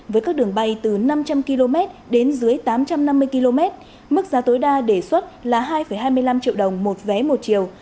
với các đường bay từ năm trăm linh km đến dưới tám trăm năm mươi km mức giá tối đa đề xuất là hai hai mươi năm triệu đồng một vé một chiều